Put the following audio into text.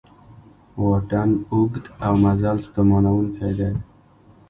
واټن اوږد او مزل ستومانوونکی دی